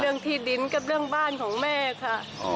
เรื่องที่ดินกับเรื่องบ้านของแม่ค่ะ